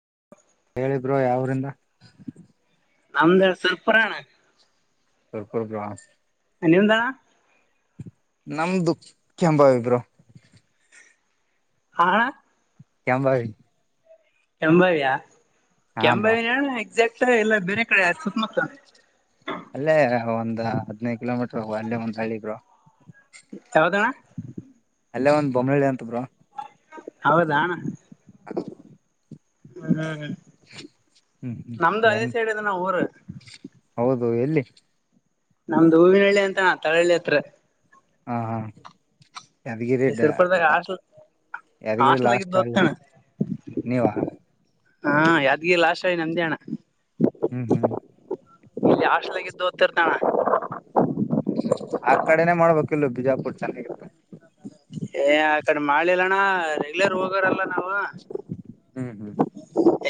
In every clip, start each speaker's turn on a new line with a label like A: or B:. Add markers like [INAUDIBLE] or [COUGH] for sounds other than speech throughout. A: [INAUDIBLE]
B: ಹೇಳಿ ಬ್ರೋ ಯಾವೂರಿಂದ
A: ನಮ್ದು ಸರ್ಪ್ರಾ ನಗರ.
B: [UNINTELLIGIBLE]
A: ಅ ನಿಮ್ದ.
B: ನಮ್ದು ಕೆಂಬಾವಿ ಬ್ರೋ.
A: ಹಾ
B: ಕೆಂಭಾವಿ.
A: ಕೆಂಭಾವಿಯಾ ಕೆಂಭಾವಿನಾ [UNINTELLIGIBLE] ಮತ್ತ ಎಲ್ಲಾ ಬೇರೆ ಕಡೆ ಆಯ್ತ ಸುತ್ಮುತ್ತನ.
B: ಅಲ್ಲೇ ಒಂದ್ ಹದ್ನೈದು ಕಿಲೋಮೀಟರ್ ಹೋಗುವ ಅಲ್ಲೇ ಒಂದ್ ಹಳ್ಳಿ ಬ್ರೋ.
A: ಯಾವ್ದ
B: ಅಲ್ಲೇ ಒಂದ್ ಬೊಂನಳ್ಳಿ ಅಂತ ಬ್ರೋ.
A: ಹೌದಾನ
B: [INAUDIBLE]
A: ಹ್ಮ ಹ್ಮ ನಮ್ದು ಅದೇ ಸೈಡ್ ಇದಾನ ಊರು.
B: ಹೌದು ಎಲ್ಲಿ
A: ನಮ್ದು ಹೂವಿನಳ್ಳಿ ಅಂತಾನ ತಳ್ಳಳ್ಳಿ ಹತ್ರ
B: ಹಾ ಹಾ ಯಾದಗಿರಿ
A: ಸುರ್ಪುರದಾಗ ಹಾಸ್ಟೆಲ್
B: ಯಾದಗಿರಿ
A: ಹಾಸ್ಟೆಲ್
B: ಲಾಸ್ಟ್
A: ಆಗಿದ್ದು ಓದ್ತಣ
B: ನೀವ
A: ಹಾ ಯಾದ್ಗಿರಿ ಲಾಶಾಗಿ ನಂದೇಣ
B: ಹ್ಮ್ ಹ್ಮ್
A: ಇಲ್ಲಿ ಹಾಸ್ಟೆಲಾಗಿದ್ದ ಓದತಿರ್ತಾನ.
B: ಆ ಕಡೆನೆ ಮಾಡ್ಬೇಕಿಲ್ಲು ಬಿಜಾಪುರ್ ಚನ್ನ
A: ಏ ಆಕಡೆ ಮಾಡಿಲ್ಲಣ್ಣ ರೆಗ್ಯುಲರ್ ಹೋಗವ್ರಲ್ಲ
B: ಹ್ಮ್ ಹ್ಮ್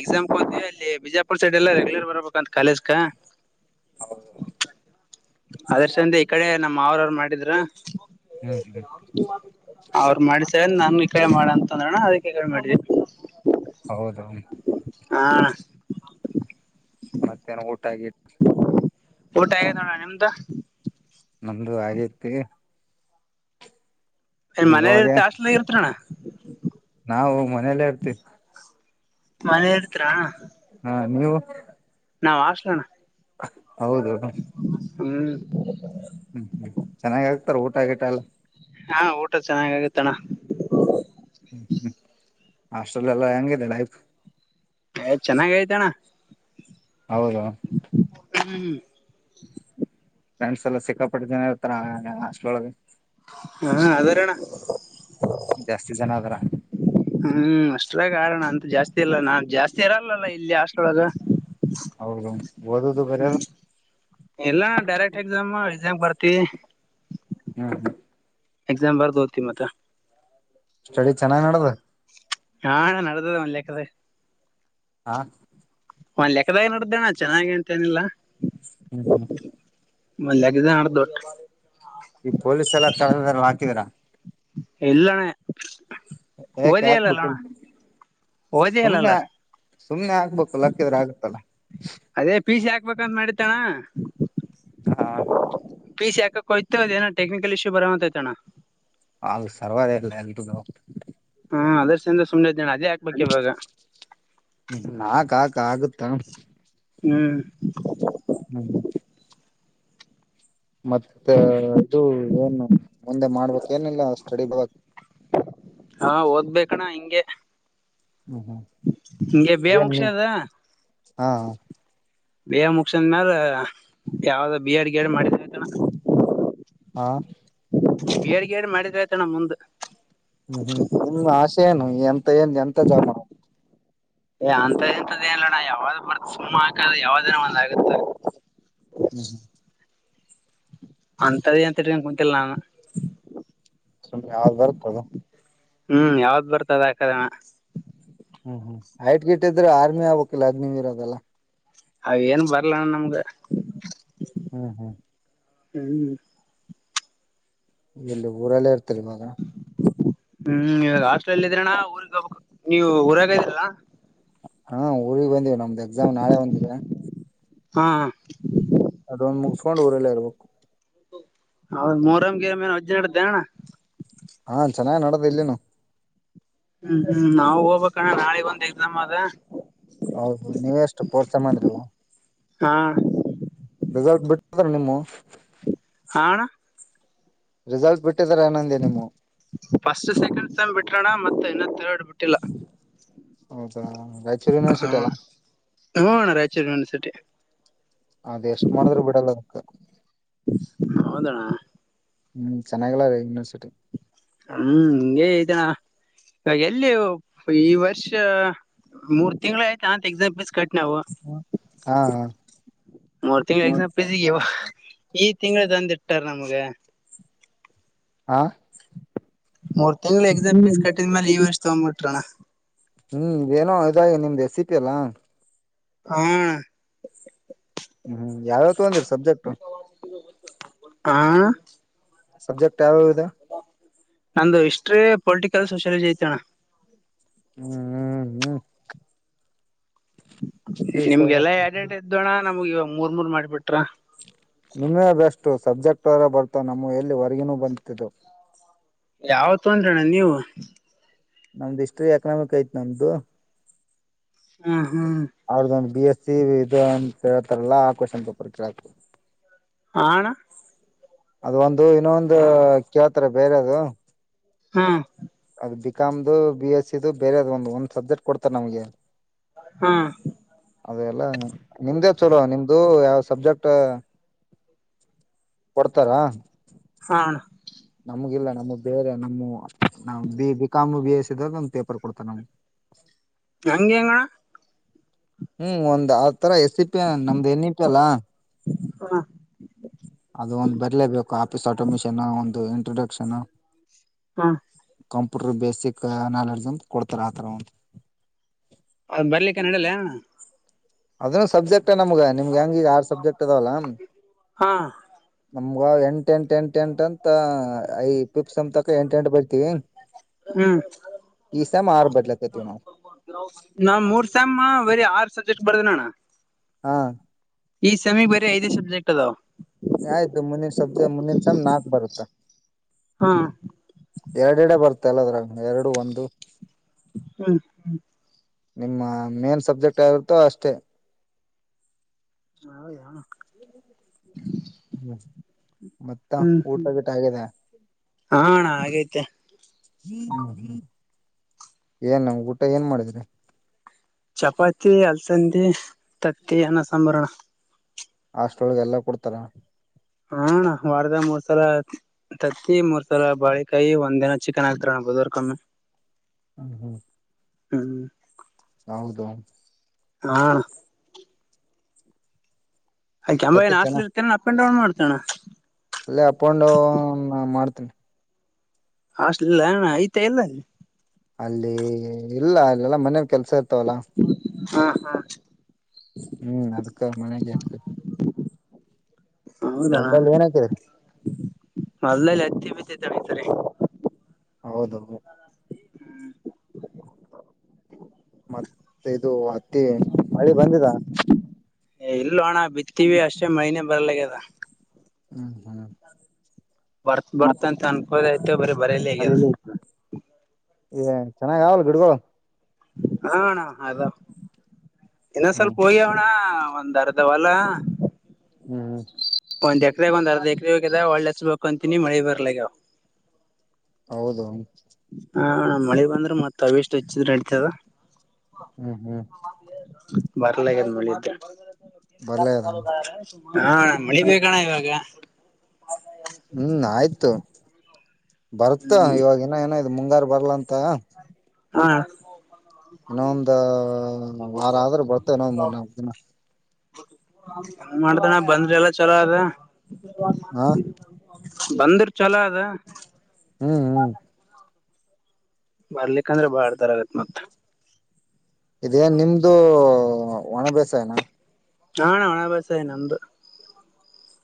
A: ಎಕ್ಸಾಮ್ ಹೋತೀವಿ ಅಲ್ಲಿ ಬಿಜಯಾಪುರ್ ಸೈಡ್ ಎಲ್ಲ ರೆಗ್ಯುಲರ್ ಬರ್ಬೇಕಂತ ಕಾಲೇಜ್ ಕ.
B: ಹೌದು.
A: ಅಲಶಂಡಿ ಈ ಕಡೆ ನಮ್ಮಾವನವರು ಮಾಡಿದ್ರ
B: ಹ್ಮ್ ಹ್ಮ್ ಇವಾಗ್ ಸಿಗ್ತಾಯಿಲ್ಲ ಅಷ್ಟು.
A: ಕ ಮಾಡ ಅಂತಂದ್ರಣ ಅದಕ್ಕೆ ಕ ಮಾಡಿದವಿ
B: ಹೌದು
A: [INAUDIBLE] ಊಟ ಆಗೈತ್ ನೋಡಣ. ಎಂತ.
B: ನಮ್ದು ಆಗೈತಿ.
A: ್ ಮನೇಲಿ ಇರ್ತ ಹಾಸ್ಟೇಲ್ ಇರ್ತಣ್ಣ.
B: ನಾವು ಮನೆಯಲ್ಲೇ ಇರ್ತೀವಿ.
A: ಮನೆ ಇರ್ತೀರ.
B: ಹಾ ನೀವು.
A: ನಾವು ಹಾಸ್ಟೇಲ್ ಅಣ್ಣ.
B: [UNINTELLIGIBLE] ಹೌದು.
A: ಹ್ಮ್
B: ಹ್ಮ್ ಹ್ಮ್ ಚೆನ್ನಾಗ್ ಆಗ್ತಾರ ಊಟ ಆಗಿಟ ಎಲ್ಲ.
A: ಹಾ ಊಟ ಚೆನ್ನಾಗ ಆಗತ್ತ ಅಣ್ಣ.
B: ಹ್ಮ್ ಹ್ಮ್. ಹಾಸ್ಟ್ರೆಲ್ ಎಲ್ಲ ಹೆಂಗಿದೆ ಲೈಫ್.
A: ಯ ಚೆನ್ನಾಗ ಐತ ಅಣ್ಣ.
B: ಹೌದು.
A: [INAUDIBLE]
B: ಫ್ರೆಂಡ್ಸ್ ಎಲ್ಲ ಸಿಕ್ಕಾಪಟ್ಟಿ ಜನ ಇರ್ತಾರ ಅಷ್ಟೊಳಗೆ.
A: ಹಾ ಅದಾರಣ್ಣ.
B: ಜಾಸ್ತಿ ಜನ ಅದಾರ.
A: ಹ್ಮ್ ಅಷ್ಟಲ್ಲ ಕಾರಣ ಅಂತ ಜಾಸ್ತಿ ಇಲ್ಲ ನಾು ಜಾಸ್ತಿ ಇರಲ್ಲಲ್ಲ ಇಲ್ಲಿ ಹಾಸ್ಟೆಲ್ ಒಳಗ. ಹ್ಮ್ ಎಲ್ಲ ಡೈರೆಕ್ಟ್ ಎಕ್ಸಾಮ್ ಎಕ್ಸಾಮ ಗಿ ಬರ್ತಿ. ಎಕ್ಸಾಮ್ ಬರ್ದು ಹೋತೀ ಮತ್ತ.
B: ಸ್ಟಡಿ ಚೆನ್ನಾಗಿ್ ನಡದು.
A: ಹಾ ಅಣ್ಣ ನಡೆದದ ಒಂದು ಲೆಕ್ಕದಾಗ.
B: ಹಾ.
A: ಒಂದ್ ಲೆಕ್ಕದಾಗ ನಡ್ದೇಣ ಚೆನ್ನಾಗೆ ಅಂತ ಏನಿಲ್ಲಾ.
B: ಹ್ಮ್ ಹ್ಮ್.
A: ಮಲ್ಲಗ ಆಡ್ದೊಟ್ಟ.
B: ಈ ಪೊಲೀಸ್ ಎಲ್ಲ ತಳ ಹಾಕಿದೀರಾ.
A: ಎಲ್ಲಣ.
B: ಯಾಕ ಹಾಕ್ಬೇಕ
A: ಓದಿ ಅಲ್ಲಲ್ಲ
B: ಸುಮನೆ. ಸುಮ್ನೆ ಹಾಕ್ಬೇಕು ಲಕ್ಕಿದ್ರ ಆಗತ್ತಲ್ಲ.
A: ಅದೇ ಪೀಜೀ ಹಾಕ್ಬೇಕಂತ ಮಾಡಿತ್ತಣ.
B: ಹಾ.
A: ಪೀಜ್ ಯಾಕಕ್ಕ್ಕ ಹೋಯಿತು ಅದು ಏನು ಟೆಕ್ನಿಕಲ್ ಇಶ್ಯೂ ಬರುವಂತೆ ಐತೆ ಅಣ್ಣ.
B: ಅಲ್ ಸರ್ವರ್ ಇಲ್ಲ.
A: ಹಾದ ಸೇ ಸ.
B: ನಾಕಾ. ಆಗುತ್ತಾ.
A: ಹ್ಮ್.
B: ಮತ್ತ ಅದು ಏನು ಮುಂದೆ ಮಾಡ್ಬೇಕಕ್ ಏನಿಲ್ಲ ಸ್ಟಡಿ ಬಕ್.
A: ಹಾ ಓದ್ಬೇಕಣ್ಣ ಹಿಂಗೆ.
B: ಹ್ಮ್ ಹ್ಮ್
A: ಹಿಂಗೆ ಬಿ
B: ಬೆ
A: ಎ ಮುಗ್ಸದ
B: ಹಾ.
A: ಬೇ ಮುಗಸಂದ ಮ್ಯಾಲ ಯಾವ್ದ ಬಿ ಆಡ್ ಗಿ ಆಡ್ ಮಾಡಿದ ಆಯತಾನ.
B: ಹಾ.
A: ಬೇರ್ಗೇರ್ ಮಾಡಿದ್ರೆ ಆಯ್ತ ನಮ್ಮ ಮುಂದ.
B: ಹ್ಮ್ ಹ್ಮ್ ನಿಮ ಆಸೆ ಏನು ಎಂತ ಏನ್ ಎಂತ ಜಾಬ್ ಮಾಡ.
A: ಏ ಅಂತದ ಇಂತದ್ದೇನ್ಲ್ಲೋಣ ಯಾವ್ದ್ ಬರ್ ಸುಮ್ಮ ಹಾಕಲ್ ಯಾವ್ದ ಒಂದ ಆಗುತ್ತ.
B: ಹ್ಮ್.
A: ಅಂತದ ಂತರ್ಕೊಂಡ ಕುಂತಲ್ಲ ನನ್.
B: ಸುಮ್ಮನೆ ಯ ಬರ್ತದ.
A: ಹ್ಮ್ ಯಾವ್ದ್ ಬರ್ತದ ಆಾಕದಣ.
B: ಹ್ಮ್ ಹ್ಮ್ ಐಟ್ ಗಿಟ್ ಇದ್ರೆ ಆರ್ಮಿ ಆಗ್ಬೇಕು ಅಲ್ವಾ ಅದ್ ನೀವ್ ಇರೋದಲ್ಲಾ.
A: ಅ ಏನ್ ಬರ್ಲಣ ನಮ್ಧ್. ಹ್ಮ್.
B: ಇಲ್ಲಿ ಊರಲ್ಲೇ ಇರ್ತೀರಿ ಇವಾಗ.
A: ಹ್ಮ್ ಇವಾಗ ಹಾಸ್ಟ್ರೆಲ್ ಇದಿನ್ ಅಣ್ಣ ಊರಿಗೆ ಹೋಗ್ಬೇಕ್ ನೀವು ಊರಾಗ ಇದಿರಲ್ಲ.
B: ಹಾ ಊರಿಗ್ ಬಂದಿನ್ ನಮ್ದ್ ಎಕ್ಸಾಮ್ ನಾಳೆ ಒಂದಿದೆ.
A: ಹಾಹ.
B: ಅದೊಂದ್ ಮುಗಸ್ಕೊಂಡ್ ಊರಲ್ಲೆ ಇರ್ಬೇಕು.
A: ಹೌದ್ ಮೊಹರಂ ಗೇಮ್ ಅಜ್ಜ ನಡ್ದೆಣ್ಣ.
B: ಚೆನ್ನಾಗ ನಡ್ದ ಇಲ್ಲಿನು.
A: ಹ್ಮ್ಮ ನಾವು. ಹು ಕನ್ನ್ನಣ್ಣ ನಾಳಿಗ್ ಒಂದ್ ಅಯ್ತಿ. ನಮ್ಮದ. ಹಾ.
B: ರಿಸಲ್ಟ್ ಬಿಟ್ಟ [INAUDIBLE] ದ್ರ ನಿಮ್ಮವ್.
A: ಹಾ ಅಣ್ಣ.
B: ರಿಸಲ್ಟ್ ಬಿಟ್.
A: [INAUDIBLE] ಫಸ್ಟ್ ಸೆಕೆಂಡ್ ತಮ್ ಬಿಟ್ರನ್ನ ಮತ್. ಇನ್ನ ಥರ್ಡ್ ಸೇಮ್ ಬಿಟ್ಟಿಲ್ಲ.
B: ಹೌದಾ.
A: ಹಾ ಅಣ್ಣಾರ ರೈಚೂರ್ ಯೂನಿವರ್ಸಿಟಿ
B: ಅದ್ ಎಷ್ಟ್ ಮಾಡಿದ್ರೂ ಬಿಡಲ್ಲ ಕ
A: ಹೌದಣ್ಣ
B: ಹ್ಮ್ ಚೆನ್ನಾಗಿಲ್ಲ ಯೂನಿವರ್ಸ್
A: ಹ್ಮ್ ಹಿಂಗೇ ಏತ್ತಣ್ಣ ಎಲ್ಲಿ ಈ ವರ್ಷ ಮೂರ್ ತಿಂಗಳೆ ಆಯ್ತಾ ಅಂತ ಎಕ್ಸಾಮ್ ಫೀಸ್ ಕಟ್ [INAUDIBLE] ನವ ಮೂರ್ ತಿಂಗ್ಳ್ ಎಕ್ಸಾಮ್ ಫೀಸ್ ಗೆವ ಈ ತಿಂಗ್ಳು ದೊಂದ್ ಇಟ್ಟರ್ ನಮಗೆ
B: ಹಾ
A: ಮೂರ್ ತಿಂಗಳ ಎಕ್ಸಾಮ್ ಫೀಸ್ ಕಟ್ಟಿದ ಮೇಲೆ ಈ ವರ್ಷ ತಗೊಂಡ್ ಬಿಟ್ರಣ್ಣ
B: ಹ್ಮ್ ಏನೋ ಇದಾಗಿ ನಿಮ್ದ ರೆಸಿಪಿ ಎಲ್ಲಾ
A: ಹಾ
B: ಹ್ಮ್ ಯಾವ್ ಯಾವ್ದ್ ತಗೊಂಡಿರಿ ಸಬ್ಜೆಕ್ಟ್
A: ಆ
B: ಸಬ್ಜೆಕ್ಟ್ ಯಾವಾಗಿಂದ
A: ನಂದು ಹಿಸ್ಟರಿ ಪೊಲಿಟಿಕಲ್ ಸೋಷಿಯಾಲಜಿ ಏತ್ತಣ್ಣ
B: ಹ್ಮ್ ಹ್ಮ್ ಹ್ಮ್
A: ನಿಮ್ಗೆಲ್ಲಾ ಎರೆಡೆರಡ ಇದ್ದೋಣ ನಮಗ ಇವಾಗ ಮೂರ್ ಮೂರ್ ಮಾಡಿ ಬಿಟ್ರ
B: ನಿಮ್ಮೆ ಬೆಸ್ಟು ಸಬ್ಜೆಕ್ಟ್ರ ಬರ್ತಾವ ನಮ್ಮವ ಎಲ್ಲಿ ಹೊರಗಿನೂ ಬಂತಿದ್ದು
A: ಯಾವ ತೊಂದ್ರಣ್ಣ ನೀವು
B: ನಮ್ದು ಹಿಸ್ಟ್ರಿ ಎಕನಾಮಿಕ್ ಐತ್ ನಮ್ದು
A: ಹ್ಮ್ ಹ್ಮ್
B: ಅವರು ಬಿ ಎಸ್ ಸಿ ಅಂತ ಹೇಳ್ತಾರಲ್ಲ ಆಕವಷಪಪರ್ಕ್ಷ ಆಗ್ತದೆ
A: ಹ ಅಣ್ಣ
B: ಅದ ಒಂದು ಇನ್ನೊಂದು ಕೇಳ್ತರ್ ಬೇರೆ ಅದು
A: ಹ್ಮ್
B: ಬಿಕಾಮ್ದು ಬಿ ಎಸ್ಸಿದು ಬೇರೆ ಅ್ ಒಂದು ಒಂದ್ ಸಬ್ಜೆಕ್ಟ್ ಕೊಡ್ತಾರೆ ನಮಗೆ
A: ಹ್ಮ್
B: ಅದೆ ಎಲ್ಲ ನಿಮ್ದೇ ಚಲೋ ನಿಮ್ದು ಯಾವ ಸಬ್ಜೆಕ್ಟ್ ಕೊಡ್ತಾರಾ
A: ಹಾ
B: ನಮ್ಗ ಇಲ್ಲ ನಮಗ್ ಬೇರೆ ನಮ್ಮವ್ ಬಿಕಾಮ್ ಬಿ ಎಸ ಸಿ ಇದಾಗ ನಮ ಪೇಪರ್ ಕೊಡ್ತಾರೆ ನಮಗ್
A: ಹೆಂಗೆ ಅಣ್ಣ
B: ಹ್ಮ್ ಒಂದ್ ಆ ತರ ಎಸ್ ಇ ಪಿ ನಮ್ದ್ ಎನ್ ಇ ಪಿ ಅಲ್ಲಾ
A: ಹಾ
B: ಅದು ಒಂದು ಬರ್ಲೇಬೇಕು ಆಫೀಸ್ ಆಟೋಮಿಷನ್ ಒಂದು ಇಂಟ್ರೊಡಕ್ಷನ್
A: ಹಾ
B: ಬೇಸಿಕ್ ನಾಲೆಡ್ಜ್ಂತ ಕೊಡ್ತಾರ ಆತರ
A: ಔ ಬರ್ಲಿಕ್ಕ ನಡಲ
B: ಅದ ಸಬ್ಜೆಕ್ಟ್ ಮ ನಮ್ಗ ನಿಮ್ಗೆ ಹೆಂಗಗ ಆರ್ ಸಬ್ಜೆಕ್ಟ್ ಅದಾವಲ್ಲ
A: ಹಾ
B: ನಮ್ಗ ಎಂಟ ಎಂಟು ಎಂಟ ಎಂಟ ಅಂತ ಈ ಪಿಪ್ಸಂತ ಎಂಟು ಎಂಟ ಬರ್ತೀವಿ
A: ಹ್ಮ್ ನಾ ಮೂರ್ ಸ್ಯಾಮ ಬರಿ ಆರ್ ಸಬ್ಜೆಕ್ಟ್ ಬರ್ದನಣ್ಣ
B: ಹಾ
A: ಈ ಸೆಮಿ ಬರ ಐದೇ ಸಬ್ಜೆಕ್ಟ್ ಅದಾವ
B: ಆಯ್ತು ಮುಂದಿನ ಸಬ್ಜ ಮುಂದಿನ ಸಾಮ್ ನಾಕ್ ಬರುತ್ತ
A: ಹಾ
B: ಎರಡೆಡೆ ಬರ್ತ ಎಲ್ಲದ್ರಗ ಎರಡು ಒಂದು
A: ಹ್ಮ್
B: ನಿಮ್ಮ ಮೇನ್ ಸಬ್ಜೆಕ್ಟ್ ಆಗರುತ್ತೋ ಅಷ್ಟೇ
A: ಹ ಹೌದ
B: ಹ್ಮ್ ಮತ್ತ ಊಟ
A: ಹ್ಮ್
B: ಗಿಟ್ಟ ಆಗಿದೆ
A: ಹಾ ಅಣ್ಣ ಹಾಗೈತೆ
B: ಹ್ ಹ್ಮ ಏನ್ ನಮ್ ಊಟ ಏನ್ ಮಾಡಿದ್ರಿ
A: ಚಪಾತಿ ಅಲಸಂದಿ ತತ್ತಿ ಅನ್ನ ಸಾಂಬಾರಣ್ಣ
B: ಹಾಸ್ಟೆಲ್ಗೆ ಎಲ್ಲಾ ಕೊಡ್ತಾರ
A: ಹ ವಾರದ ಮೂರ್ಸಲ ತತ್ತಿ ಮೂರ್ ಸಲ ಬಾಳೆ ಕಾಯಿ ಒಂದ್ ದಿನ ಚಿಕನ್ ಆಗ್ತಾರ ಬುದುವಾರ ಕೋಮ್ಮ.
B: ಹ್ಮ ಹ್ಮ [INAUDIBLE]
A: ಹ್ಮ್
B: ಹೌದು
A: ಹಾ ಕಯಂ [UNINTELLIGIBLE] ಹಾಸ್ಟೆಲ್ ಅಲ್ಲಿ ಇರ್ತೇನೇನಾ ಅಪ್ ಅಂಡ್ ಡೌನ್ ಮಾಡ್ತೆ ಅಣ
B: ಅಲ್ಲೇ ಅಪೊಂಡು ಡೌನ್ ಮಾಡ್ತ [INAUDIBLE]
A: ಹಷ್ಟಲಿಲ್ಲಣ್ಣ ಆಯ್ತಾ ಇಲ್ಲ
B: ಅಲ್ಲಿ ಇಲ್ಲ ಅಲ್ಲೆಲ್ಲಾ ಮನಲಿ ಕೆಲ್ಸ ಇತ
A: ಹಾ ಹಾ
B: ಹ್ಮ್ ಅದ ಮನೆಗೆು ಒಂದಲ್ಲಿ ಏನ್ ಹಕಿದ್ರ
A: ಅಲ್ಲಲ್ಲಿ ಹತ್ತಿ ಬಿತ್ತ ತಳಿತರಿ
B: ಹೌದು ಮತ್ತೆ ಇದು ಅತ್ತಿ ಮಳೆ ಬಂದಿದ
A: ಇಲ್ಲ ಅಣ್ಣ ಬಿತ್ತೀವಿ ಅಷ್ಟೇ ಮಳೆನೇ ಬರ್ಲಿಗ್ಯಾದ್
B: ಹ್ಮ್ ಹ್ಮ್
A: ಬರ್ತ್ ಬರ್ತಂತ ಅನ್ ಹೌದಯ್ ಬರ [UNINTELLIGIBLE]
B: ಅರಲ್ಲ [UNINTELLIGIBLE] ಏ ಚೆನ್ನಾಗ ಆ ಅವಲ ಗಿಡ್ಗಳು
A: ಹಾ ಅಣ್ಣ ಅದಾ ಇನ್ನೊ್ ಸ್ವಲ್ಪ ಹೋಗಿ ಅವಣ ಒಂದು ಅರ್ಧ ವಲ
B: ಹ್ಮ್ ಹ್ಮ
A: ಒಂದ್ ಎಕ್ರಗ್ ಒಂದ್ ಅರ್ಧ ಎಕ್ರ ಹೋಗ್ಯದ ಒಳ್ಳೆ ಅಚ್ಚ ಬೇಕಂತೆನಿ ಮಳಿ ಬರ್ಲಗದ್
B: ಹೌದು
A: ಹಾ ಮಳೆ ಬಂದ್ರೆ ಮತ್ತತ್ ಅವೆಷ್ಟು ಹೆಚ್ಚಿದ್ರೆ ಆಗ್ತದ
B: ಹ್ಮ್ ಹ್ಮ್
A: ಬರ್ಲಗದ್ ಮಾಳಿದ್ದ ತಾನ [UNINTELLIGIBLE] ನೀ ಬೇಕಣ ಇವಾಗ ಹ
B: ಹ್ಮ್ ಆಯ್ತು ಬರ್ತಾ
A: ಹ್ಮ್
B: ಇವಾಗನ್ನ ಏನ ಮುಂಗಾರು ಬರ್ಲ ಅಂತ [UNINTELLIGIBLE] ಹ.
A: ಹಾ.
B: ಇನ್ನೊ ಒಂದ ವಾರ ಆದ್ರೂ ಬರ್ತ ಇನ್ನೊಂದ್ ಮೂರ್ ನಾಲ್ಕು ದಿನ.
A: ಮಾಡ್ತಾನ ಬಂದ್ರಿ ಎಲ್ಲ ಚಲೋ ಅದ.
B: ಹಾ.
A: ಬಂದ್ರ ಚಲೋ ಅದ.
B: ಹ್ಮ್ ಹ್ಮ್.
A: ಬರ್ಲಿಕ್ಕಂದ್ರೆ ಬಾಳ್ ತರ ಆಗತ್ ಮತ್ತ.
B: ಇದೇನ್ ನಿಮ್ದು. ಒಣ ಬೆಸಾಯನಾ.
A: ಹಾಣ ಒಣ ಬೇಸಾಯ ನಮ್ದು.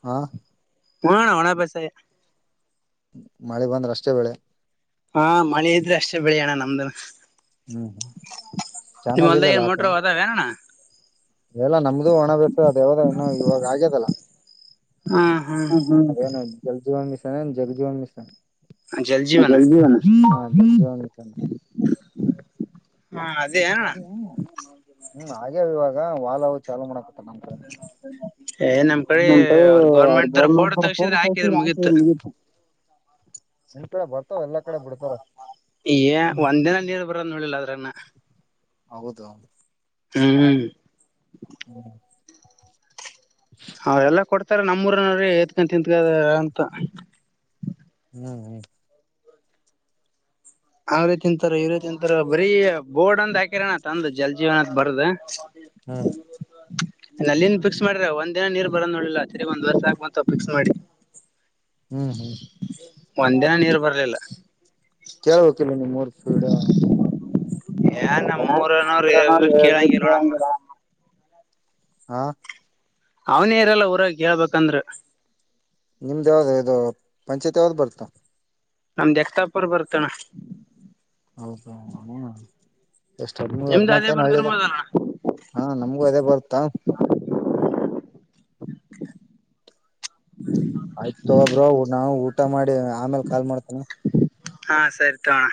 B: ಹಾ.
A: [UNINTELLIGIBLE] ಪಸ.
B: ಮಳೆ ಬಂದ್ರ ಅಷ್ಟೇ ಬೇಳೆ.
A: ಹಾ ಮಳೆ ಇದ್ರೆ ಅಷ್ಟೇ ಬೆಳಿಯೋಣ ನಮ್ದು. ಹೊಲ್ದಾಗ ಮೊಟರ ಅದಾವನ.
B: ಎಲ್ಲ ನಮ್ದು ಒಣ ಬರ್ಸ ದೇವದ ಏನು ಇವಾಗ ಆಗ್ಯದಲ್ಲ
A: ಹ್ಮ್ ಹ್ಮ್
B: ಏನ ಹ್ಮ್ ಇ. ಜಲ್ಜುವ ಮಿಶ್ರ ಜಗಜುವನ್ ಮಿಶ್ರನ್.
A: ಜಲ್
B: [UNINTELLIGIBLE] [INAUDIBLE] [INAUDIBLE]
A: ಜೀವನ
B: ಹ ಅ
A: ಹಾ ಅದೇ ಏನಣ್ಣ
B: ಹ್ಮ್ ಹಾಗೆ. ಇವಾಗ ವಾಲ ಹ. [UNINTELLIGIBLE]
A: ಏ ನಮ್ ಕಡೆ
B: ನಿನ್
A: ಅವ್ರ ಗೌರ್ಮೆಂಟ್ ದವ್ರ ಫೋಟೋ ತಗಸಿದ್ರ ಹಾಕಿದ್ರ ಮುಗೀತ್
B: ಕೂಡ ಬ.
A: ಏ ಒಂದಿನ ನೀರ್ ಬರ ನೋಡಿಲ್ಲ ಅದ್ರನ್ನ ನಾ.
B: ಹೌದು.
A: ಹ್ಮ್..
B: ಹ್ಮ್.
A: ಹ ಎಲ್ಲಾ ಕೊಡ್. ಆತರ ನಮ್ಮೂರನೋರ್ ಎತ್ಕೊಂಡ ತಿಂತತ್ಕದ ಅಂತ.
B: ಹ್ಮ್ ಹ್ಮ್.
A: ಅವ್ರೀತಿ ತಿಂತಾರ ಇವ ರೀತಿ ತಿಂತಾರ ಬರೀ ಬೋರ್ಡ್ ಅಂದ್ ಹಾಕರಣತ್ ಅಂದ ಜಲ್ ಜೀವನ್ ಅಂತ್ ಬರ್ದ.
B: ಹ್ಮ್
A: ನಲ್ಲಿನ್ ಫಿಕ್ಸ್ ಮಾಡ್ರ್ಯಾ ಒಂದಿನ ನೀರ್ ಬರೋದ್ ನೋಡ್ಲಿಲ್ಲ ತಿರಿಗ್ ಒಂದ್ ವರ್ಷ ಆಗ್ ಬಂತ್ ಫಿಕ್ಸ್ ಮಾಡಿ
B: ಹ್ಮ್ ಹ್ಮ್
A: ಒಂದಿನ ನೀರ್ ಬರ್ಲಿಲ್ಲ
B: ಕೇಳ್ಬೇಕಿಲ ನಿಮಗ್ ರ್ ಸೀಡಾ [UNINTELLIGIBLE]
A: ಏನ್ ನಮ್ಮ ಮೂರನೋರ್ ಎರ ಕೇಳಂಗಿರೋಣಮ್ಮ
B: ಹಾ
A: ಅವ್ನೇ ಇರಲ್ಲ ಊರಾಗ್ ಕೇಳ್ಬೇಕಂದ್ರ
B: ನಿಮ್ದ ಯಾವ್ದ ಇದು ಪಂಚಾಯತ್ ಯಾವ್ದ್ ಬರ್ತು
A: ನಮ್ದ್ ಎಕ್ತಾಪರ್ ಬರ್ತಣ
B: ಹೌದಾ ಹ ಎಷ್ಟ್ ಹದ್ಮೂರ್
A: ನಿಮ್ದ್ ಅದೇ
B: ಹದ್ನಾಕೆನ ಹಳ್ಳಿದಾವ್
A: ಬರ್ತಿರ್ಬೋದಣ
B: ಹಾಂ ನಮ್ಗೂ ಅದೇ ಬರ್ತ್ತ ಆಯ್ತೊ ಒಬ್ರೋ ನಾವು ಊಟ ಮಾಡಿ ಆಮೇಲ್ ಕಾಲ್ ಮಾಡ್ತೇನೆ
A: ಹಾ ಸರಿ ತಗೋಣ